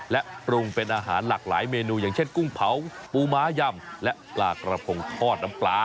และปรุงเป็นอาหารหลากหลายเมนูอย่างเช่นกุ้งเผาปูม้ายำและปลากระพงทอดน้ำปลา